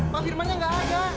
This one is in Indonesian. pak firmangnya gak ada